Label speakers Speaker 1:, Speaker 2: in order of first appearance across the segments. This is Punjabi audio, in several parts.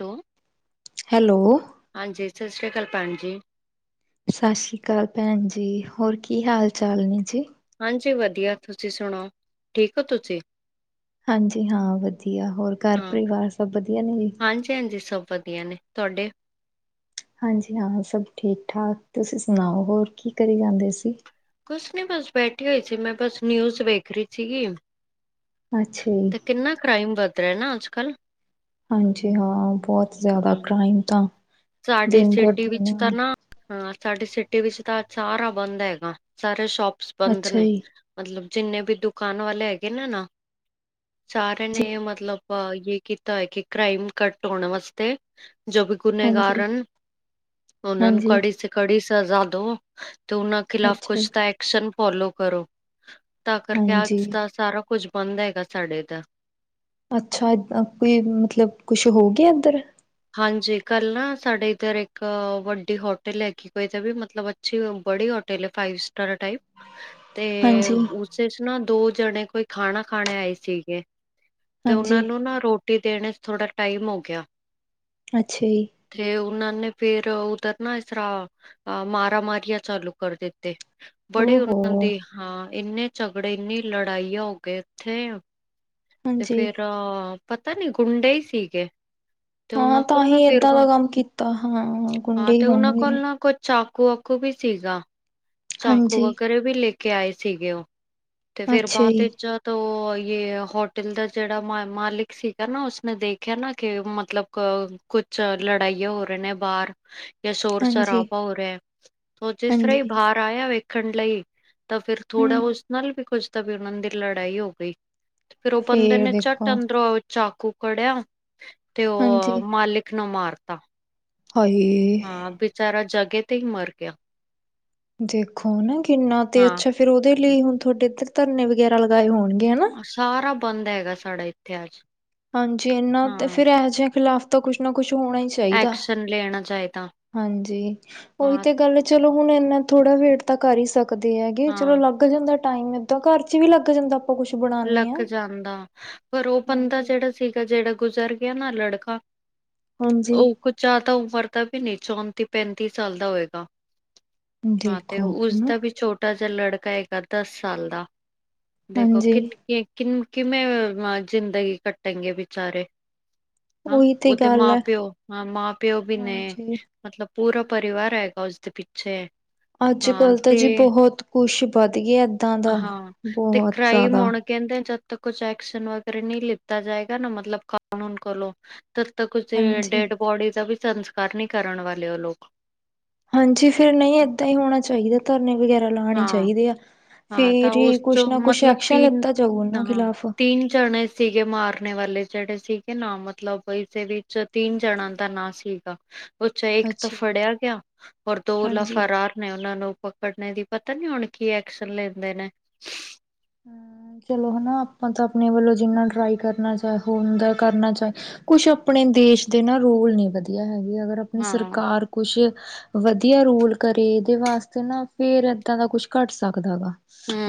Speaker 1: ਤੋ
Speaker 2: ਹੈਲੋ।
Speaker 1: ਹਾਂਜੀ ਸਸਰੀ ਅਕਾਲ ਭੈਣਜੀ।
Speaker 2: ਸਤਿ ਸ਼੍ਰੀ ਅਕਾਲ ਭੈਣਜੀ। ਹੋਰ ਕੀ ਹਾਲ ਚਾਲ ਨੇ ਜੀ?
Speaker 1: ਹਾਂਜੀ ਵਧੀਆ। ਤੁਸੀਂ ਸੁਣਾਓ ਠੀਕ ਹੋ ਤੁਸੀਂ?
Speaker 2: ਹਾਂਜੀ ਹਾਂ ਵਧੀਆ। ਹੋਰ ਘਰ
Speaker 1: ਹਾਂ,
Speaker 2: ਪਰਿਵਾਰ ਸਭ ਵਧੀਆ ਨੇ ਜੀ?
Speaker 1: ਹਾਂਜੀ-ਹਾਂਜੀ। ਸਭ ਵਧੀਆ ਨੇ। ਤੁਹਾਡੇ?
Speaker 2: ਹਾਂਜੀ ਹਾਂ ਸਭ ਠੀਕ-ਠਾਕ। ਤੁਸੀਂ ਸੁਣਾਓ ਹੋਰ ਕੀ ਕਰੀ ਜਾਂਦੇ ਸੀ?
Speaker 1: ਕੁੱਛ ਨੀ ਬਸ। ਬੈਠੀ ਹੋਈ ਸੀ ਮੈਂ, ਬਸ ਨਿਊਜ਼ ਵੇਖ ਰਹੀ ਸੀਗੀ।
Speaker 2: ਅੱਛਾ ਜੀ।
Speaker 1: ਤੇ ਕਿੰਨਾ ਕ੍ਰਾਈਮ ਵੱਧ ਰਿਹਾ ਨਾ ਅੱਜ ਕਲ?
Speaker 2: ਹਾਂਜੀ ਹਾਂ ਬਹੁਤ ਜ਼ਿਆਦਾ ਕ੍ਰਾਈਮ ਤਾਂ
Speaker 1: ਸਾਡੇ
Speaker 2: ਦਿਨ ਪਰ
Speaker 1: ਸਿਟੀ
Speaker 2: ਦਿਨ
Speaker 1: ਵਿੱਚ ਤਾਂ ਨਾ ਹਾਂ ਸਾਡੀੇ ਸਿਟੀ ਵਿੱਚ ਤਾਂ ਸਾਰਾ ਬੰਦ ਹੈਗਾ। ਸਾਰੇ ਸ਼ੋਪਸ ਬੰਦ
Speaker 2: ਅੱਛਾ
Speaker 1: ਨੇ।
Speaker 2: ਜੀ,
Speaker 1: ਮਤਲੱਬ ਜਿੰਨੇ ਵੀ ਦੁਕਾਨ ਵਾਲੇ ਹੈਗੇ ਨੇ ਨਾ ਸਾਰਿਆਂ
Speaker 2: ਜੀ
Speaker 1: ਨੇ ਮਤਲੱਬ ਇਹ ਕੀਤਾ ਹੈ ਕਿ ਕ੍ਰਾਈਮ ਘੱਟ ਹੋਣ ਵਾਸਤੇ [unintelligible]
Speaker 2: ਹਾਂਜੀ,
Speaker 1: ਕਾਰਨ ਉਹਨਾਂ ਨੂੰ
Speaker 2: ਹਾਂਜੀ
Speaker 1: ਕੜੀ ਸ ਕੜੀ ਸਜ਼ਾ ਦੋ ਤੇ ਉਹਨਾਂ ਖਿਲਾਫ਼
Speaker 2: ਅੱਛਾ ਜੀ,
Speaker 1: ਕੁੱਛ ਤਾਂ ਐਕਸ਼ਨ ਫੋਲੋ ਕਰੋ। ਤਾਂ ਕਰਕੇ
Speaker 2: ਹਾਂਜੀ
Speaker 1: ਅੱਜ ਦਾ ਸਾਰਾ ਕੁੱਝ ਬੰਦ ਹੈਗਾ ਸਾਡੇ ਏਧਰ।
Speaker 2: ਅੱਛਾ। ਕੋਈ ਮਤਲੱਬ ਕੁੱਛ ਹੋ ਗਿਆ ਏਧਰ?
Speaker 1: ਹਾਂਜੀ ਕੱਲ ਨਾ ਸਾਡੇ ਇੱਧਰ ਇੱਕ ਵੱਡੀ ਹੋਟਲ ਹੈਗੀ ਕੋਈ ਤਾਂ ਵੀ ਮਤਲੱਬ ਅੱਛੀ ਬੜੀ ਹੋਟਲ ਹੈ ਫਾਈਵ ਸਟਾਰ ਟਾਈਪ ਤੇ
Speaker 2: ਹਾਂਜੀ,
Speaker 1: ਉ ਉਸ ਚੱ ਨਾ ਦੋ ਜਣੇ ਕੋਈ ਖਾਣਾ ਖਾਣੇ ਆਏ ਸੀਗੇ ਤੇ
Speaker 2: ਹਾਂਜੀ
Speaker 1: ਉਹਨਾਂ ਨੂੰ ਨਾ ਰੋ ਰੋਟੀ ਦੇਣ ਚੱ ਥੋੜ੍ਹਾ ਟਾਈਮ ਹੋ ਗਿਆ।
Speaker 2: ਅੱਛਾ ਜੀ।
Speaker 1: ਤੇ ਉਹਨਾਂ ਨੇ ਫਿਰ ਉੱਧਰ ਨਾ ਇਸ ਤਰ੍ਹਾਂ ਮਾਰਾ ਮਾਰੀਆਂ ਚਾਲੂ ਕਰ ਦਿੱਤੇ।
Speaker 2: ਓ
Speaker 1: ਬੜੇ ਉਹਨਾਂ
Speaker 2: ਹੋ,
Speaker 1: ਦੀ ਹਾਂ ਇੰਨੇ ਝਗੜੇ ਇੰਨੀ ਲੜਾਈਆਂ ਹੋ ਗਏ ਇਥੇ। ਤੇ
Speaker 2: ਹਾਂਜੀ
Speaker 1: ਫਿਰ ਪਤਾ ਨੀ ਗੁੰਡੇ ਹੀ ਸੀਗੇ। ਤੇ
Speaker 2: ਹਾਂ
Speaker 1: ਉਹਨਾਂ
Speaker 2: ਤਾਂ
Speaker 1: ਕੋਲ
Speaker 2: ਹੀ
Speaker 1: ਨਾਂ ਫਿਰ
Speaker 2: ਏਦਾਂ ਦਾ ਕੰਮ ਕੀਤਾ ਗੁੰਡੇ
Speaker 1: ਹਾਂ
Speaker 2: ਹੀ
Speaker 1: ਤੇ ਉਹਨਾਂ
Speaker 2: ਹੋਣਗੇ
Speaker 1: ਕੋਲ ਨਾਂ ਕੁ ਚਾਕੂ ਵਾਕੂ ਵੀ ਸੀਗਾ। ਚਾਕੂ
Speaker 2: ਹਾਂਜੀ
Speaker 1: ਵਗਰੇ ਵੀ ਲੈ ਕੇ ਆਏ ਸੀਗੇ ਓ। ਤੇ ਫਿਰ
Speaker 2: ਅੱਛਾ
Speaker 1: ਬਾਅਦ
Speaker 2: ਜੀ
Speaker 1: ਵਿੱਚ ਤੋ ਇਹ ਹੋਟਲ ਦਾ ਜਿਹੜਾ ਮਾ-ਮਾਲਿਕ ਸੀਗਾ ਨਾ ਉਸਨੇ ਦੇਖਿਆ ਨਾ ਕਿ ਮਤਲੱਬ ਹਾਂ ਕੁੱਛ, ਲੜਾਈਆਂ ਹੋ ਰਹੇ ਨੇ ਬਾਹਰ ਜਾਂ ਸ਼ੋਰ
Speaker 2: ਹਾਂਜੀ
Speaker 1: ਸ਼ਰਾਬਾ ਹੋ ਰਿਹਾ, ਓ ਜਿਸ ਤਰਾਂ ਹੀ
Speaker 2: ਹਾਂਜੀ
Speaker 1: ਬਾਹਰ ਆਇ ਆ ਵੇਖਣ ਲਈ ਤਾਂ ਫਿਰ, ਥੋੜ੍ਹਾ
Speaker 2: ਹਮ
Speaker 1: ਉਸ ਨਾਲ ਵੀ ਕੁੱਝ ਤਾਂ ਵੀ ਉਹ ਦੀ ਲੜਾਈ ਹੋ ਗਈ। ਫਿਰ, ਉਹ ਬੰਦੇ
Speaker 2: ਫੇਰ
Speaker 1: ਨੇ
Speaker 2: ਦੇਖੋ
Speaker 1: ਝੱਟ ਅੰਦਰੋਂ ਚਾਕੂ ਕਢਿਆ ਤੇ ਉਹ
Speaker 2: ਹਾਂਜੀ
Speaker 1: ਮਾਲਿਕ ਨੂੰ ਮਾਰਤਾ
Speaker 2: ਹਾਏ
Speaker 1: ਹਾਂ, ਵਿਚਾਰਾ ਜਗਾਂ ਤੇ ਹੀ ਮਰ ਗਿਆ।
Speaker 2: ਦੇਖੋ ਨਾ, ਕਿੰਨਾ ਤੇ ਅੱਛਾ
Speaker 1: ਹਾਂ
Speaker 2: ਫਿਰ ਉਹਦੇ ਲਈ ਹੁਣ ਤੁਹਾਡੇ ਇੱਧਰ ਧਰਨੇ ਵਗੈਰਾ ਲਗਾਏ ਹੋਣਗੇ ਹਨਾ।
Speaker 1: ਸਾਰਾ ਬੰਦ ਹੈਗਾ, ਸਾਡਾ ਇੱਥੇ ਅੱਜ
Speaker 2: ਹਾਂਜੀ, ਇਹਨਾਂ ਤੇ
Speaker 1: ਹਾਂ
Speaker 2: ਫਿਰ ਇਹੋ ਜਿਹੇ ਖਿਲਾਫ਼ ਤਾਂ ਕੁੱਛ ਨਾ ਕੁੱਛ ਹੋਣਾ ਹੀ। ਚਾਹੀਦਾ,
Speaker 1: ਐਕਸ਼ਨ ਲੈਣਾ ਚਾਹੀਦਾ
Speaker 2: ਹਾਂਜੀ ਉਹੀ
Speaker 1: ਹਾਂ
Speaker 2: ਤੇ ਗੱਲ। ਚਲੋ ਹੁਣ, ਇੰਨਾ ਥੋੜਾ ਵੇਟ ਤਾਂ ਕਰ ਹੀ ਸਕਦੇ ਹੈਗੇ, ਚਲੋ
Speaker 1: ਹਾਂ
Speaker 2: ਅੱਗ। ਫਿਰ ਉਹਦਾ ਟਾਈਮ, ਏਦਾਂ ਘਰ ਚ ਵੀ ਲੱਗ ਜਾਂਦਾ। ਕੁਛ ਬਣਾਉਦੇ
Speaker 1: ਲੱਕ
Speaker 2: ਹਾਂ
Speaker 1: ਜਾਂਦਾ, ਪਰ ਉਹ ਬੰਦਾ
Speaker 2: ਹਾਂਜੀ
Speaker 1: ਜਿਹੜਾ ਸੀਗਾ, ਜਿਹੜਾ ਗੁਜ਼ਰ ਗਿਆ ਨਾ ਲੜਕਾ
Speaker 2: ਹਾਂਜੀ
Speaker 1: ਉਹ ਕੁ ਜ਼ਿਆਦਾ ਉਮਰ ਦਾ ਵੀ ਨਹੀਂ, ਚੌਂਤੀ ਪੈਂਤੀ ਸਾਲ ਦਾ ਹੋਏਗਾ। ਹਾਂ ਤੇ
Speaker 2: ਦੇਖੋ ਹਨਾ
Speaker 1: ਉਸਦਾ ਵੀ ਛੋਟਾ ਜਿਹਾ ਲੜਕਾ ਹੈਗਾ, ਦਸ ਸਾਲ ਦਾ ਦੇਖੋ।
Speaker 2: ਹਾਂਜੀ
Speaker 1: ਕਿਨ ਕਿ -ਕਿ, ਕਿਵੇਂ ਜ਼ਿੰਦਗੀ ਕੱਟੇਗੇ ਬੇਚਾਰੇ। ਹਾਂ,
Speaker 2: ਉਹੀ ਤੇ
Speaker 1: ਉਹਦੇ
Speaker 2: ਗੱਲ
Speaker 1: ਮਾਂ-
Speaker 2: ਹੈ
Speaker 1: ਪਿਓ ਹਾਂ, ਮਾਂ- ਪਿਓ ਵੀ ਨੇ
Speaker 2: ਹਾਂਜੀ
Speaker 1: ਮਤਲਬ ਪੂਰਾ ਪਰਿਵਾਰ ਹੈਗਾ, ਉਸਦੇ ਪਿੱਛੇ।
Speaker 2: ਅੱਜ-
Speaker 1: ਹਾਂ
Speaker 2: ਕੱਲ੍ਹ ਤਾਂ
Speaker 1: ਤੇ
Speaker 2: ਜੀ, ਬਹੁਤ ਕੁਛ ਵੱਧ ਗਿਆ, ਏਦਾਂ ਦਾ
Speaker 1: ਹਾਂ ਤੇ
Speaker 2: ਬਹੁਤ
Speaker 1: ਕ੍ਰਾਈਮ
Speaker 2: ਜ਼ਿਆਦਾ।
Speaker 1: ਹੁਣ ਕਹਿੰਦੇ, ਜਦ ਤੱਕ ਕੁਛ ਐਕਸ਼ਨ ਵਗੈਰਾ ਨਹੀਂ ਲਿੱਤਾ ਜਾਏਗਾ, ਨਾ ਮਤਲਬ ਕਾਨੂੰਨ ਕੋਲੋਂ। ਤਦ -ਤੱਕ
Speaker 2: ਹਾਂਜੀ
Speaker 1: ਡੈਡ ਬੋਡੀ ਦਾ ਵੀ, ਸੰਸਕਾਰ ਨਹੀਂ ਕਰਨ ਵਾਲੇ ਉਹ ਲੋਕ
Speaker 2: ਹਾਂਜੀ, ਫਿਰ ਨਹੀਂ ਏਦਾਂ ਹੀ ਹੋਣਾ ਚਾਹੀਦਾ, ਧਰਨੇ ਵਗੈਰਾ ਲਾਉਣੇ
Speaker 1: ਹਾਂ
Speaker 2: ਚਾਹੀਦੇ ਆ।
Speaker 1: ਹਾਂ ਤਾਂ
Speaker 2: ਫੇਰ ਹੀ,
Speaker 1: ਉਸ ਚੋਂ
Speaker 2: ਕੁਛ ਨਾ ਕੁਛ
Speaker 1: ਮਤਲਬ
Speaker 2: ਐਕਸ਼ਨ
Speaker 1: ਤਿੰਨ
Speaker 2: ਲਤਾ ਜਾਊ, ਉਹਨਾਂ
Speaker 1: ਹਾਂ
Speaker 2: ਖਿਲਾਫ਼।
Speaker 1: ਤਿੰਨ ਜਣੇ ਸੀਗੇ, ਮਾਰਨੇ ਵਾਲੇ ਜਿਹੜੇ ਸੀਗੇ, ਨਾ ਮਤਲਬ ਇਸੇ ਵਿੱਚ ਤਿੰਨ ਜਣ ਦਾ ਨਾਂ ਸੀਗਾ। ਉੱਚਾ ਇੱਕ ਤਾਂ
Speaker 2: ਅੱਛਾ ਜੀ
Speaker 1: ਫੜਿਆ ਗਿਆ, ਔਰ ਦੋ ਲ
Speaker 2: ਹਾਂਜੀ
Speaker 1: ਫਰਾਰ ਨੇ, ਉਹਨਾਂ ਨੂੰ ਪਕੜੇ ਦੀ ਪਤਾ ਨੀ, ਹੁਣ ਕੀ ਐਕਸ਼ਨ ਲੈਂਦੇ ਨੇ।
Speaker 2: ਹਮ, ਚਲੋ ਹਨਾ ਆਪਾਂ ਤਾਂ ਆਪਣੇ ਵੱਲੋਂ, ਜਿੰਨਾ ਟਰਾਈ ਕਰਨਾ ਚਾਹ ਹੋੁੰ ਦਾ ਕਰਨਾ ਚਾਹੇ। ਕੁਛ, ਆਪਣੇ ਦੇਸ਼ ਦੇ ਨਾ ਰੋਲ ਨੀ ਵਧੀਆ ਹੈਗੇ, ਅਗਰ ਆਪਣੀ
Speaker 1: ਹਾਂ
Speaker 2: ਸਰਕਾਰ ਕੁਛ, ਵਧੀਆ ਰੋਲ ਕਰੇ, ਇਹਦੇ ਵਾਸਤੇ ਨਾ ਫੇਰ ਏਦਾਂ ਦਾ ਕੁਛ, ਘੱਟ ਸਕਦਾ ਗਾ।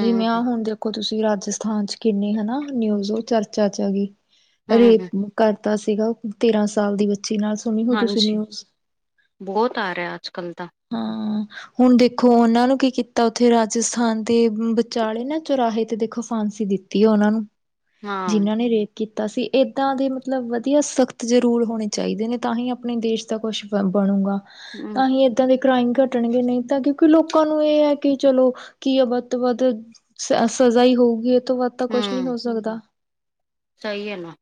Speaker 2: ਜਿਵੇਂ, ਹੁਣ ਦੇਖੋ ਤੁਸੀਂ, ਰਾਜਸਥਾਨ ਚ ਕਿੰਨਨੀ ਹਨਾ, ਨਿਊਜ਼ ਹੋ ਚਰਚਾ ਚ ਆਗੀ।
Speaker 1: ਹੂੰ
Speaker 2: ਰੇਪ ਕਰਤਾ ਸੀਗਾ, ਤੇਰਾਂ ਸਾਲ ਦੀ ਬੱਚੀ ਨਾਲ। ਸੁਣੀ ਹੋ ਤੁਸੀਂ
Speaker 1: ਹਾਂਜੀ,
Speaker 2: ਨਿਊਜ਼
Speaker 1: ਬਹੁਤ ਆ ਰਿਹਾ ਅੱਜ -ਕੱਲ੍ਹ ਦਾ।
Speaker 2: ਹਾਂ, ਹੁਣ ਦੇਖੋ ਉਹਨਾਂ ਨੂੰ ਕੀ ਕੀਤਾ, ਉੱਥੇ ਰਾਜਸਥਾਨ ਦੇ ਵਿਚਾਲੇ ਨਾ ਚੁਰਾਹੇ ਤੇ ਦੇਖੋ, ਫਾਂਸੀ ਦਿੱਤੀ, ਉਹਨਾਂ ਨੂੰ
Speaker 1: ਹਾਂ
Speaker 2: ਜਿਨਾਂ ਨੇ ਰੇ ਕੀਤਾ ਸੀ, ਇੱਦਾਂ ਦੇ ਮਤਲਬ ਵਧੀਆ ਸਖਤ ਜ਼ਰੂਰ ਹੋਣੇ ਚਾਹੀਦੇ ਨੇ, ਤਾਂ ਹੀ ਆਪਣੇ ਦੇਸ਼ ਦਾ ਕੁਛ ਬਣੂਗਾ।
Speaker 1: ਹੂੰ
Speaker 2: ਤਾਂਹੀ ਇਦਾਂ ਦੇ ਕ੍ਰਾਈਮ ਘੱਟਣਗੇ ਨਹੀਂ ਤਾਂ ਕਿਉਂਕਿ, ਲੋਕਾਂ ਨੂੰ ਇਹ ਹੈ ਕਿ ਚਲੋ ਕੀ ਹੈ ਵੱਧ ਤੋਂ ਵੱਧ ਸ ਸਜ਼ਾ ਹੀ ਹੋਊਗੀ, ਇਹ ਤੋਂ ਵੱਧ ਤਾਂ ਕੁਛ ਨੀ
Speaker 1: ਹੂੰ
Speaker 2: ਹੋ ਸਕਦਾ।
Speaker 1: ਸਹੀ ਹੈ ਨਾ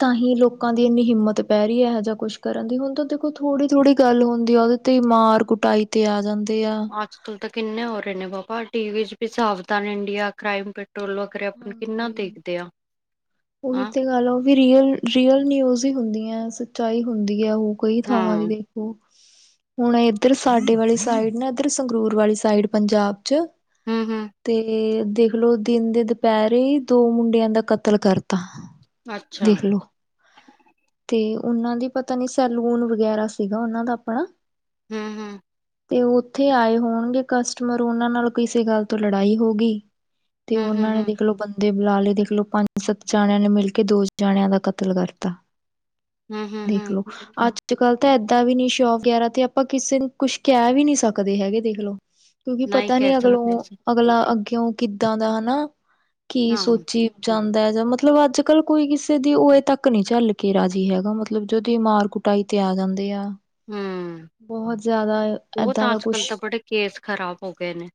Speaker 2: ਤਾਂ ਹੀ ਲੋਕਾਂ ਦੀ ਇੰਨੀ ਹਿੰਮਤ ਪੈ ਰਹੀ, ਇਹੋ ਜਿਹਾ ਕੁਛ ਕਰਨ ਦੀ, ਹੁਣ ਤਾਂ ਦੇਖੋ ਥੋੜ੍ਹੀ- ਥੋੜ੍ਹੀ ਗੱਲ ਹੁੰਦੀ ਆ ਉਹਦੇ। ਤੇ ਮਾਰ ਕੁਟਾਈ ਤੇ ਆ ਜਾਂਦੇ ਆ।
Speaker 1: ਅੱਜ -ਕੱਲ ਤਾਂ ਕਿੰਨੇ ਹੋ ਰਹੇ ਨੇ ਬਾਬਾ ਟੀ ਵੀ ਚ ਵੀ, ਸਾਵਧਾਨ ਇੰਡੀਆ, ਕ੍ਰਾਈਮ ਪੈਟਰੋਲ। ਵਗੈਰਾ ਆਪਾਂ ਕਿੰਨਾ
Speaker 2: ਹਾਂਜੀ,
Speaker 1: ਦੇਖਦੇ ਆ ਹਾਂ
Speaker 2: ਉਹੀ ਤੇ ਗੱਲ। ਵੀ ਰੀਅਲ- ਰੀਅਲ ਨਿਊਜ਼ ਹੀ ਹੁੰਦੀਆਂ ਹੈ, ਸੱਚਾਈ ਹੁੰਦੀ ਹੈ, ਉਹ ਕਈ ਥਾਵਾਂ
Speaker 1: ਹਾਂ
Speaker 2: ਦੀ ਦੇਖ। ਹੋ। ਹੁਣ ਇੱਧਰ ਸਾਡੇ ਵਾਲੀ ਸਾਈਡ, ਨਾ ਇੱਧਰ ਸੰਗਰੂਰ ਵਾਲੀ ਸਾਈਡ ਪੰਜਾਬ ਚ
Speaker 1: ਹੂ ਹੂ
Speaker 2: ਤੇ ਦੇਖ ਲੋ ਦਿਨ ਦੇ ਦੁਪਹਿਰੇ ਦੋ ਮੁੰਡਿਆਂ ਦਾ ਕਤਲ ਕਰਤਾ।
Speaker 1: ਅੱਛਾ
Speaker 2: ਦੇਖ ਲੋ। ਤੇ ਉਹਨਾਂ ਦੀ ਪਤਾ ਨੀ ਸੈਲੂਨ ਵਗੈਰਾ ਸੀਗਾ, ਉਹਨਾਂ ਦਾ ਆਪਣਾ।
Speaker 1: ਹੂ ਹੂ
Speaker 2: ਤੇ ਉੱਥੇ ਆਏ ਹੋਣਗੇ ਕਸਟਮਰ, ਉਹਨਾਂ ਨਾਲ ਕਿਸੇ ਗੱਲ ਤੋਂ ਲੜਾਈ ਹੋ ਗਈ। ਤੇ
Speaker 1: ਹੂੰ ਹੂੰ
Speaker 2: ਉਹਨਾਂ ਨੇ
Speaker 1: ਹੂੰ
Speaker 2: ਦੇਖ। ਬੰਦੇ ਬੁਲਾ ਲਏ, ਦੇਖਲਓ ਪੰਜ -ਸੱਤ ਜਾਣਿਆਂ ਨੇ ਮਿਲ ਕੇ ਦੋ ਜਾਣਿਆਂ ਦਾ ਕਤਲ ਕਰਤਾ।
Speaker 1: ਹੂੰ ਹੂੰ
Speaker 2: ਦੇਖ
Speaker 1: ਹੂੰ
Speaker 2: ਲੋ ਅੱਜ। ਅੱਜ- ਕੱਲ੍ਹ ਤਾਂ ਏਦਾਂ ਵੀ ਨੀ ਸ਼ੌਕ, ਵਗੈਰਾ ਤੇ ਆਪਾਂ ਕਿਸੇ ਨੂੰ ਕੁਛ ਕਹਿ ਵੀ ਨੀ ਸਕਦੇ ਹੈਗੇ ਦੇਖਲੋ। ਕਿਉਂਕਿ,
Speaker 1: ਨਹੀਂ
Speaker 2: ਪਤਾ
Speaker 1: ਕਹਿ
Speaker 2: ਨੀ
Speaker 1: ਸਕਦੇ
Speaker 2: ਅਗਲੋਂ
Speaker 1: ਸੀ
Speaker 2: ਅਗਲਾ ਅੱਗੇਓ ਕਿੱਦਾਂ ਦਾ ਨਾ, ਕੀ
Speaker 1: ਹਾਂ
Speaker 2: ਸੋਚੀ। ਜਾਂਦਾ ਐ, ਜਾਂ ਮਤਲਬ ਅੱਜ- ਕੱਲ ਕੋਈ ਕਿਸੇ ਦੀ ਉਵੇ ਤੱਕ ਨਹੀ ਝੱਲ ਕੇ ਰਾਜੀ ਹੈਗਾ ਮਤਲਬ ਜਦੀ ਮਾਰ ਕੁ। ਕੁਟਾਈ ਤੇ ਆ ਜਾਂਦੇ ਆ‌।
Speaker 1: ਹੂ ਬਹੁਤ,
Speaker 2: ਏਦਾਂ ਦਾ
Speaker 1: ਅੱਜ ਕੱਲ
Speaker 2: ਕੁਛ
Speaker 1: ਤਾਂ ਬੜੇ ਕੇਸ ਖਰਾਬ ਹੋ ਗਏ ਨੇ।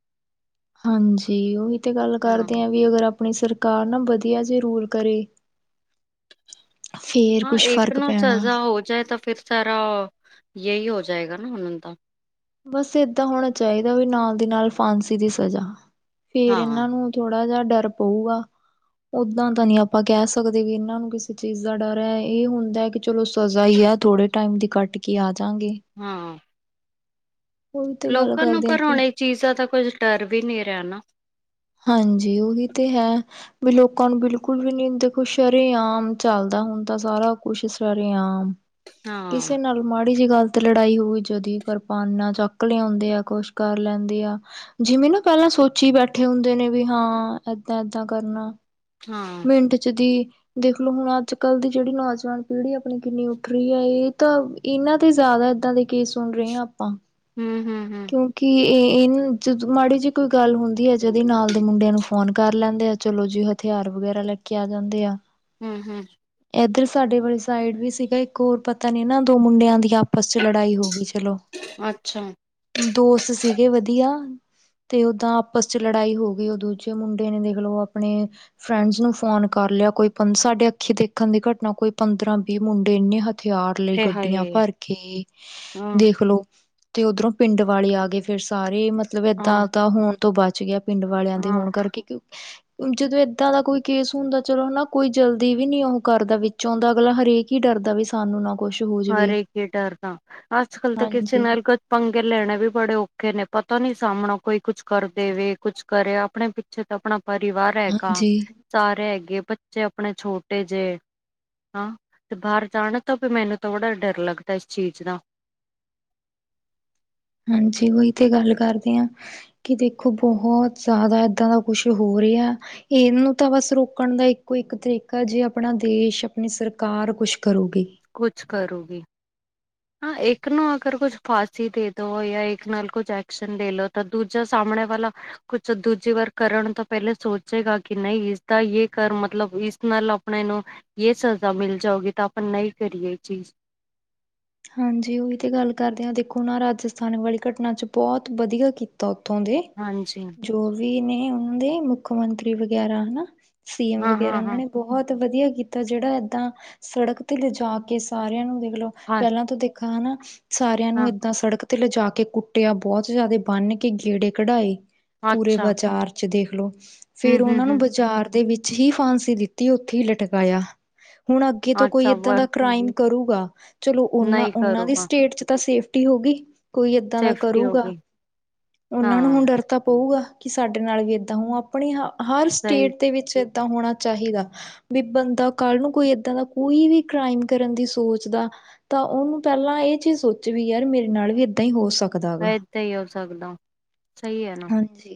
Speaker 2: ਹਾਂਜੀ! ਉਹੀ ਤੇ ਗੱਲ
Speaker 1: ਹਾਂ
Speaker 2: ਕਰਦੇਆਂ, ਵੀ ਅਗਰ ਆਪਣੀ ਸਰਕਾਰ ਨਾ ਵਧੀਆ ਜੇ ਰੂਲ ਕਰੇ। ਫੇਰ
Speaker 1: ਹਾਂ!
Speaker 2: ਕੁਛ
Speaker 1: ਇੱਕ
Speaker 2: ਫ਼ਰਕ
Speaker 1: ਨੂੰ
Speaker 2: ਪੈਣਾ
Speaker 1: ਸਜ਼ਾ ਹੋ ਜਾਏ। ਤਾ ਫਿਰ ਸਾਰਾ ਯਹੀ ਹੋ ਜਾਏਗਾ ਨਾ, ਉਹਨਾ ਦਾ।
Speaker 2: ਬਸ ਏਹਦਾਂ ਹੋਉਣਾ ਚਾਹੀਦਾ, ਵੀ ਨਾਲ ਦੀ ਨਾਲ ਫਾਂਸੀ ਦੀ ਸਜ਼ਾ। ਫੇਰ
Speaker 1: ਹਾਂ
Speaker 2: ਇਹਨਾਂ ਨੂੰ ਥੋੜਾ ਜਿਹਾ ਡਰ ਪਊਗਾ। ਉਹਦਾਂ ਤਾਂ ਨਹੀਂ ਆਪਾਂ ਕਹਿ ਸਕਦੇ, ਵੀ ਇਹਨਾਂ ਨੂੰ ਕਿਸੀ ਚੀਜ਼ ਦਾ ਡਰ ਹੈ, ਇਹ ਹੁੰਦਾ ਕਿ ਚਲੋ ਸਜ਼ਾ ਈ ਐ, ਥੋੜੇ ਟਾਈਮ ਦੀ ਕੱਟ ਕੇ ਆ ਜਾਂਗੇ।
Speaker 1: ਹੂ
Speaker 2: ਉਹੀ ਤੇ ਗੱਲ
Speaker 1: ਲੋਕਾਂ ਨੂੰ
Speaker 2: ਕਰਦੇ ਆ
Speaker 1: ਪਰ
Speaker 2: ਕਿ
Speaker 1: ਹੁਣ ਇਹ ਚੀਜ਼ਾਂ ਦਾ ਕੁੱਝ ਡਰ ਵੀ ਨਹੀਂ ਰਿਹਾ ਨਾ।
Speaker 2: ਹਾਂਜੀ! ਉਹੀ ਤੇ ਹੈ। ਵੀ ਲੋਕਾਂ ਨੂੰ ਬਿਲਕੁਲ ਵੀ ਨਹੀਂ, ਦੇਖੋ ਸ਼ਰੇਆਮ ਚੱਲਦਾ ਹੁੰਦਾ ਸਾਰਾ ਕੁਛ, ਸ਼ਰੇਆਮ।
Speaker 1: ਹਾਂ
Speaker 2: ਕਿਸੇ ਨਾਲ ਮਾੜੀ ਜਿਹੀ ਗੱਲ ਤੇ ਲੜਾਈ ਹੋਵੇ, ਜਦੀ ਕਿਰਪਾਨਾਂ ਚੱਕ ਲਿਆਉਂਦੇ ਆ। ਕੁਛ ਕਰ ਲੈਂਦੇ ਆ। ਜਿਵੇਂ ਨਾ ਪਹਿਲਾਂ ਸੋਚੀ ਬੈਠੇ ਹੁੰਦੇ ਨੇਂ, ਵੀ ਹਾਂ ਏਹਦਾਂ ਏਹਦਾਂ ਕਰਨਾ।
Speaker 1: ਹਾਂ!
Speaker 2: ਪਿੰਡ ਚ ਦੀ ਦੇਖਲੋ ਹੁਣ ਅੱਜ ਕੱਲ ਦੀ ਜਿਹੜੀ ਨੌਜਵਾਨ ਪੀੜ੍ਹੀ ਆਪਣੀ ਕਿੰਨੀ ਉੱਠ ਰਹੀ ਹੈ, ਇਹ ਤਾਂ ਇਹਨਾਂ ਤੇ ਜ਼ਿਆਦਾ, ਇਹਦਾਂ ਦੇ ਕੇਸ ਸੁਣ ਰਹੇ ਹਾਂ ਆਪਾਂ।
Speaker 1: ਹੂ ਹੂ ਹੂ
Speaker 2: ਕਿਉਂਕਿ ਇਹ, ਇੰਹ ਜਦ ਮਾੜੀ ਜਿਹੀ ਕੋਈ ਗੱਲ ਹੁੰਦੀ ਹੈ, ਜਦੀ ਨਾਲ ਦੇ ਮੁੰਡਿਆਂ ਨੂੰ ਫੋ ਫੋਨ ਕਰ ਲੈਂਦੇ ਏਂ। ਚਲੋ ਜੀ ਹਥਿਆਰ ਵਗੈਰਾ ਲੈ ਕੇ ਆ ਜਾਂਦੇ ਆ।
Speaker 1: ਹੂ ਹੂ
Speaker 2: ਇੱਧਰ ਸਾਡੇ ਵਾਲੀ ਸਾਈਡ ਵੀ ਸੀਗਾ, ਇੱਕ ਹੋਰ। ਪਤਾ ਨੀ ਨਾ, ਦੋ ਮੁੰਡਿਆਂ ਦੀ ਆਪਸ ਚ ਲੜਾਈ ਹੋ ਗਈ, ਚਲੋ!
Speaker 1: ਅੱਛਾ!
Speaker 2: ਦੋਸਤ ਸੀਗੇ ਵਧੀਆ। ਤੇ ਓਹਦਾਂ ਆਪਸ ਚ ਲੜਾਈ ਹੋ ਗਈ। ਉਹ ਦੂਜੇ ਮੁੰਡੇ ਨੇ ਦੇਖ ਲਓ ਆਪਣੇ ਫਰੈਂਡਸ ਨੂੰ ਫੋਨ ਕਰ ਲਿਆ। ਕੋਈ ਪਨ, ਸਾਡੇ ਅੱਖੀ ਦੇਖਣ ਦੀ ਘਟਨਾ, ਕੋਈ ਪੰਦਰਾਂ ਵੀਹ ਮੁੰਡੇ ਇੰਹਨੇਂ ਹਥਿ ਹਥਿਆਰ ਲਈ
Speaker 1: ਇਹ
Speaker 2: ਗੱਡੀਆਂ
Speaker 1: ਹਾਏ
Speaker 2: ਭਰ ਕੇ,
Speaker 1: ਹਾਂ
Speaker 2: ਦੇਖਲੋ। ਤੇ ਉੱਧਰੋਂ ਪਿੰਡ ਵਾਲੇ ਆ ਗਏ ਫੇਰ ਸਾਰੇ, ਮਤਲਬ
Speaker 1: ਹਾਂ
Speaker 2: ਏਹਦਾਂ ਤਾਂ ਹੋਣ ਤੋਂ ਬਚ ਗਿਆ। ਪਿੰਡ ਵਾਲਿਆਂ ਦੇ
Speaker 1: ਹਾਂ
Speaker 2: ਹੋਣ ਕਰਕੇ, ਕਿਉਂ, ਕਿਉਂਕਿ ਜਦੋਂ ਇਹ ਦਾਂ ਦਾ ਕੋਈ ਕੇਸ ਹੁੰਦਾ ਚਲੋ ਹਨਾ, ਕੋਈ ਜਲਦੀ ਵੀ ਨੀ ਉਹ ਕਰਦਾ, ਵਿੱਚ ਆਂਦਾ, ਅਗਲਾ ਹਰੇਕ ਈ ਡਰਦਾ ਵੀ ਸਾਨੂੰ ਨਾ ਕੁੱਛ ਹੋ ਜਾਵੇ
Speaker 1: ਹਰੇਕ ਉ ਡਰਦਾ, ਅੱਜ-ਕਲ ਤੇ ਕਿਸੇ
Speaker 2: ਹਾਂਜੀ
Speaker 1: ਨਾਲ ਕੁਛ ਪੰਗੇ ਲੈਣੇ ਵੀ ਬੜੇ ਔਖੇ ਨੇਂ, ਪਤਾ ਨੀ ਸਾਹਮਣੋ ਕੋਈ ਕੁਛ ਕਰ ਦੇਵੇ ਕੁੱਛ ਕਰੇ, ਆਪਣੇ ਪਿੱਛੇ ਤਾਂ ਅਪਣਾ ਪਰਿਵਾਰ ਹੈਗਾ।
Speaker 2: ਹਾਂਜੀ
Speaker 1: ਸਾਰੇ ਹੈਗੇ, ਬੱਚੇ ਅਪਣੇ ਛੋਟੇ ਜਿਹੇ ਹਾਂ, ਤੇ ਬਾਹਰ ਜਾਣ ਤੋਂ ਵੀ ਮੈਨੂੰ ਤੇ ਬੜਾ ਡਰ ਲੱਗਦੈ, ਇਸ ਚੀਜ ਨਾ।
Speaker 2: ਹਾਂਜੀ, ਉਈ ਤੇ ਗੱਲ ਕਰਦੇ ਆਂ। ਕਿ ਦੇਖੋ ਬਹੁਤ ਜ਼ਿਆਦਾ ਇੱਹਦਾਂ ਦਾ ਕੁਛ ਹੋ ਰਿਹਾ। ਇਹਨੂੰ ਤਾਂ ਬਸ ਰੋਕਣ ਦਾ ਇੱਕੋ-ਇੱਕ ਤਰੀਕਾ, ਜੇ ਆਪਣਾ ਦੇਸ਼, ਆਪਣੀ ਸਰਕਾਰ ਕੁਛ ਕਰੂਗੀ।
Speaker 1: ਕੁਛ ਕਰੂਗੀ। ਹਾਂ, ਇੱਕ ਨੂੰ ਅਗਰ ਕੁਝ ਫਾਂਸੀ ਦੇਦੋ, ਯਾ ਇੱਕ ਨਾਲ ਕੁੱਝ ਐਕਸ਼ਨ ਦੇ ਲੋ, ਤਾਂ ਦੂਜਾ ਸਾਹਮਣੇ ਵਾਲਾ ਕੁਛ ਦੂਜੀ ਵਾਰ ਕਰਨ ਤੋਂ ਪਹਿਲੇ ਸੋਚੇਗਾ, ਕਿ ਨਹੀਂ ਇਸਦਾ ਯੇ ਕਰ, ਮਤਲਬ ਇਸ ਨਾਲ ਅਪਣੇ ਨੂੰ ਯੇ ਸਜ਼ਾ ਮਿਲ ਜਾਊਗੀ, ਤਾ ਆਪਾਂ ਨਹੀਂ ਕਰੀਏ ਇਹ ਚੀਜ਼।
Speaker 2: ਹਾਂਜੀ, ਉਹੀ ਤੇ ਗੱਲ ਕਰਦੇ ਆਂ ਦੇਖੋ ਨਾ, ਰਾਜਸਥਾਨ ਵਾਲੀ ਘਟਨਾ'ਚ ਬਹੁਤ ਵਧੀਆ ਕੀ ਤਾਂ ਉੱਥੋਂ ਦੇ,
Speaker 1: ਹਾਂਜੀ
Speaker 2: ਜੋ ਵੀ ਨੇਂ ਉਹਨਾਂ ਦੇ ਮੁੱਖ ਮੰਤਰੀ ਵਗੈਰਾ, ਹਨਾ। ਸੀ ਐਮ
Speaker 1: ਹਾਂ
Speaker 2: ਵਗੈਰਾ
Speaker 1: ਹਾਂ
Speaker 2: ਉਹਨਾਂ
Speaker 1: ਹਾਂ
Speaker 2: ਨੇਂ ਬਹੁਤ ਵਧੀਆ ਕੀਤਾ ਜਿਹੜਾ ਇੱਦਾਂ, ਸੜਕ ਤੇ ਲਿਜਾਕੇ ਸਾਰਿਆਂ ਨੂੰ ਦੇਖਲੋ
Speaker 1: ਹਾਂ
Speaker 2: ਨਾ ਤੇ ਦੇਖਾ ਹਨਾ, ਸਾਰਿਆਂ ਨੂੰ
Speaker 1: ਹਾਂ
Speaker 2: ਇਹਦਾਂ ਸੜਕ ਤੇ ਲਜਾਕੇ ਕੁੱਟਿਆ, ਬਹੁਤ ਜ਼ਿਆਦਾ ਬੰਨ੍ਹਕੇ ਗੇੜੇ ਕਢਾਏ, ਪੂਰੇ
Speaker 1: ਅੱਛਾ
Speaker 2: ਬਜ਼ਾਰ। ਦੇਖਲੋ,
Speaker 1: ਹੂੰ
Speaker 2: ਫੇਰ
Speaker 1: ਹੂੰ
Speaker 2: ਉਹਨਾਂ ਨੂੰ
Speaker 1: ਹੂੰ
Speaker 2: ਬਜ਼ਾਰ ਦੇ ਵਿੱਚ ਹੀ ਫਾਂਸੀ ਦਿੱਤੀ ਉੱਥੇ ਈ ਲਟਕਾਇਆ, ਹੁਣ ਅੱਗੇ ਤੋਂ ਕੋਈ
Speaker 1: ਅੱਛਾ
Speaker 2: ਏਦਾਂ
Speaker 1: ਵ
Speaker 2: ਦਾ ਕ੍ਰਾਈਮ ਕਰੂਗਾ, ਚਲੋ ਉਹਨਾਂ
Speaker 1: ਨਹੀਂ
Speaker 2: ਉਹਨਾਂ ਦੀ
Speaker 1: ਕਰੂਗਾ
Speaker 2: ਸਟੇਟ'ਚ ਤਾ ਸੇਫਟੀ ਹੋਊਗੀ। ਕੋਈ ਏਦਾਂ ਦਾ
Speaker 1: ਸੇਫਟੀ ਹੋ
Speaker 2: ਕਰੂਗਾ,
Speaker 1: ਗਈ
Speaker 2: ਉਹਨਾਂ ਨੂੰ ਹੁਣ
Speaker 1: ਹਾਂ
Speaker 2: ਡਰ ਤਾਂ ਪਊਗਾ, ਕਿ ਸਾਡੇ ਨਾਲ ਵੀ ਏਦਾਂ ਹਂਉ ਅਪਣੀ ਹ, ਹਰ
Speaker 1: ਸਹੀ
Speaker 2: ਸਟੇਟ ਦੇ ਵਿੱਚ ਏਦਾਂ ਹੋਣਾ ਚਾਹੀਦਾ। ਵੀ ਬੰਦਾ, ਕੱਲ ਨੂੰ ਕੋਈ ਏਦਾਂ ਦਾ ਕੋਈ ਵੀ ਕ੍ਰਾਈਮ ਕਰਨ ਦੀ ਸੋਚਦਾ ਤਾ ਉਹਨੂੰ ਪਹਿਲਾਂ ਇਹ ਚੀਜ਼ ਸੋਚ ਵੀ, ਯਾਰ ਮੇਰੇ ਨਾਲ ਵੀ ਇੱਦਾਂ ਹੀ ਹੋ ਸਕ
Speaker 1: ਇੱਦਾਂ ਹੀ ਹੋ ਸਕਦਾ, ਸਹੀ ਐ ਨਾ।
Speaker 2: ਹਾਂਜੀ।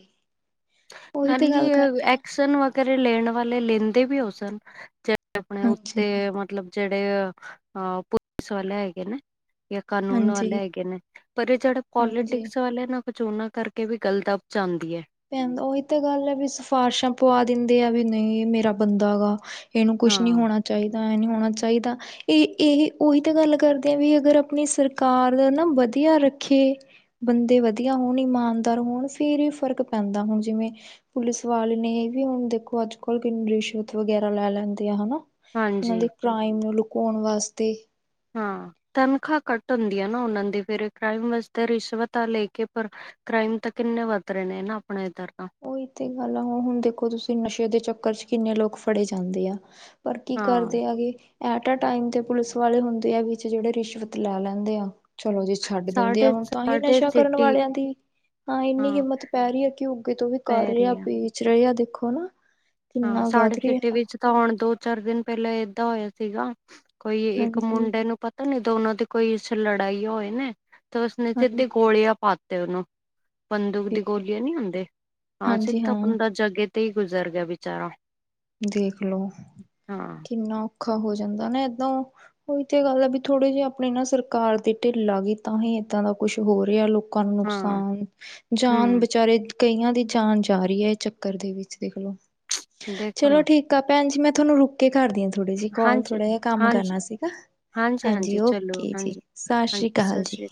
Speaker 2: ਉਹੀ ਤੇ
Speaker 1: ਨਾਲੇ
Speaker 2: ਗੱਲ
Speaker 1: ਏ,
Speaker 2: ਕਰਦੇ ਆ
Speaker 1: ਐਕਸ਼ਨ ਵ ਘਰੇ ਲੈਣ ਵਾਲੇ ਲੇਂਦੇ ਵੀ ਹੋ ਸਨ, ਚਾਹੇ ਆਪਣੇ
Speaker 2: ਹਾਂਜੀ
Speaker 1: ਉੱਤੇ ਮਤਲਬ ਮਤਲਬ ਜਿਹੜੇ ਅਹ, ਪੁਲਿਸ ਵਾਲੇ ਹੈਗੇ ਨੇ। ਯਾ ਕਾਨੂੰਨ ਵਾਲੇ
Speaker 2: ਹਾਂਜੀ
Speaker 1: ਹੈਗੇ ਨੇ, ਪਰ ਇਹ ਜਿਹੜਾ
Speaker 2: ਹਾਂਜੀ
Speaker 1: ਪੌਲੀਟਿਕਸ ਵਾਲੇ ਨਾ, ਕੁਝ ਉਹਨਾਂ ਕਰ ਕੇ ਵੀ ਗੱਲ ਦਬ ਜਾਂਦੀ ਐ।
Speaker 2: ਪੈਂਦਾ, ਉਹੀ ਤਾਂ ਗੱਲ ਐ ਵੀ ਸਿਫਾਰਸ਼ਾਂ ਪਵਾ ਦਿੰਦੇ ਆ ਵੀ ਨਹੀਂ, ਮੇਰਾ ਬੰਦਾ ਗਾ। ਇਹਨੂੰ ਕੁਛ ਨਹੀਂ
Speaker 1: ਹਾਂ
Speaker 2: ਹੋਣਾ ਚਾਹੀਦਾ, ਐਂ ਨਹੀਂ ਹੋਣਾ ਚਾਹੀਦਾ। ਇਹ, ਇਹੀ, ਉਹੀ ਤਾਂ ਗੱਲ ਕਰਦੇ ਆ ਵੀ, ਅਗਰ ਅਪਣੀ ਸਰਕਾਰ ਨਾ ਵਧੀਆ ਰੱਖੇ ਬੰਦੇ ਵਧੀਆ ਹੋਣ, ਇਮਾਨਦਾਰ ਹੋਣ, ਫਿਰ ਈ ਫ਼ਰਕ ਪੈਂਦਾ, ਹੁਣ ਜਿਵੇਂ ਪੁਲਿਸ ਵਾਲੇ ਨੇ ਇਹ ਵੀ ਹੁਣ ਦੇਖੋ, ਅੱਜ-ਕੱਲ ਕਿੰਨੀ ਰਿਸ਼ਵਤ ਵਗੈਰਾ ਲੈ ਲੈਂਦੇ ਆ ਹਨਾ। ਉਹਨਾਂ
Speaker 1: ਹਾਂਜੀ
Speaker 2: ਦੇ ਕ੍ਰਾਈਮ ਨੂੰ ਲੁਕੋਣ ਵਾਸਤੇ।
Speaker 1: ਹਾਂ, ਤਨਖਾਹ ਘੱਟ ਹੁੰਦੀ ਆ ਨਾ ਉਹਨਾਂ ਦੀ, ਫਿਰ ਕ੍ਰਾਈਮ ਵਾਸਤੇ ਰਿਸ਼ਵਤਾਂ ਲੇਕੇ ਪਰ ਕ੍ਰਾਈਮ ਤਾਂ ਕਿੰਨੇ ਵੱਧ ਰਹੇ ਨੇ ਨਾ, ਆਪਣੇ ਇੱਧਰ ਤਾਂ।
Speaker 2: ਓਹੀ ਤੇ ਗੱਲ ਆ, ਹੁਣ ਦੇਖੋ ਤੁਸੀਂ ਨਸ਼ੇ ਦੇ ਚੱਕਰ'ਚ ਕਿੰਨੇ ਲੋਕ ਫੜੇ ਜਾਂਦੇ ਆ। ਪਰ, ਕੀ
Speaker 1: ਹਾਂ
Speaker 2: ਕਰਦੇ ਆਗੇ ਐਟ ਟਾਈਮ ਤੇ ਪੁਲਿਸ ਵਾਲੇ ਹੁੰਦੇ ਆ ਵਿੱਚ ਜਿਹੜੇ ਰਿਸ਼ਵਤ ਲੈ ਲੈਂਦੇ ਆ। ਚਲੋ ਜੀ ਛੱਡ ਦਿੰਦੇ ਆ
Speaker 1: ਸਾਡੇ
Speaker 2: ਹੁਣ, ਤਾਂਹੀ
Speaker 1: ਸਾਡੇ
Speaker 2: ਨਸ਼ਾ ਕਰਨ
Speaker 1: ਸਿਟੀ
Speaker 2: ਵਾਲਿਆਂ ਦੀ ਹਾਂ ਇੰਨੀ ਹਿੰਮਤ ਪੈ ਰਹੀ ਹੈ ਕਿ ਉਹ ਕਿਤੋਂ ਵੀ
Speaker 1: ਪੈ
Speaker 2: ਕਰ ਰਿਹਾ ਆ,
Speaker 1: ਰਹੀ
Speaker 2: ਬੇਚ ਰਹੇ ਆ 'ਦੇਖੋ ਨਾ
Speaker 1: ਹਾਂ
Speaker 2: ਕਿੰਨਾ
Speaker 1: ਸਾਡੇ
Speaker 2: ਵੱਧ
Speaker 1: ਸਿਟੀ
Speaker 2: ਰਿਹਾ।
Speaker 1: ਵਿੱਚ ਤਾਂ ਹੁਣ ਦੋ -ਚਾਰ ਦਿਨ ਪਹਿਲਾਂ ਏਦਾਂ ਹੋਇਆ ਸੀਗਾ, ਕੋਈ ਇੱਕ
Speaker 2: ਹਾਂਜੀ
Speaker 1: ਮੁੰਡੇ ਨੂੰ ਪ ਤਾ ਨਹੀਂ ਦੋਨੋ ਦੀ ਕੋਈ ਇਸ ਲੜਾਈ ਹੋਏ ਨੇ, ਤੇ ਉਸਨੇ ਸਿੱਧੇ
Speaker 2: ਹਾਂਜੀ
Speaker 1: ਗੋਲੀਆਂ ਪਾਤੇ ਉਹਨੂੰ। ਬੰਦੂਕ ਦੀ
Speaker 2: ਫੇਰ
Speaker 1: ਗੋਲੀਆਂ ਨੀ ਹੁੰਦੇ, ਹਾਂ ਸਿੱਧਾ ਬੰਦਾ ਜਗੇ ਤੇ ਹੀ ਗੁਜ਼ਰ ਗਿਆ ਵਿਚਾਰਾ।
Speaker 2: ਦੇਖਲੋ,
Speaker 1: ਹਾਂ
Speaker 2: ਕਿੰਨਾ ਔਖਾ ਹੋ ਜਾਂਦਾ ਨਾ ਏਦੋਂ। ਉਹੀ ਤਾਂ ਗੱਲ ਆ ਵੀ ਥੋੜੇ ਜਿਹੇ ਆਪਣੇ ਨਾ ਸਰਕਾਰ ਦੇ ਢਿੱਲ ਆ ਗਈ, ਤਾਂ ਹੀ ਇੱਦਾਂ ਦਾ ਕੁੱਛ ਹੋ ਰਿਹਾ ਲੋ ਕਾਂ ਨੂੰ
Speaker 1: ਹਾਂ
Speaker 2: ਨੁਕਸਾਨ, ਜਾਨ
Speaker 1: ਹੂੰ।
Speaker 2: ਬਿਚਾਰੇ ਕਈਆਂ ਦੀ ਜਾਨ ਜਾ ਰਹੀ ਏ, ਇਹ ਚੱਕਰ ਦੇ ਵਿੱਚ, ਦੇਖਲੋ।
Speaker 1: ਦੇਖੋ
Speaker 2: ਚਲੋ
Speaker 1: ਨਾ
Speaker 2: ਠੀਕ ਆ ਭੈਣ ਜੀ, ਮੈਂ ਤੁਹਾਨੂੰ ਰੁਕ ਕੇ ਕਰਦੀ ਹਾਂ ਥੋੜ੍ਹੀ ਜੀ ਕੋਲ,
Speaker 1: ਹਾਂਜੀ
Speaker 2: ਥੋੜ੍ਹਾ ਜਿਹਾ ਕੰਮ
Speaker 1: ਹਾਂਜੀ
Speaker 2: ਕਰਨਾ ਸੀਗਾ। ਹਾਂਜੀ, ਓਕੇ ਜੀ, ਸਸ ਸ੍ਰੀ
Speaker 1: ਹਾਂਜੀ
Speaker 2: ਅਕਾਲ
Speaker 1: ਸਤਿ
Speaker 2: ਜੀ।
Speaker 1: ਸ੍ਰੀ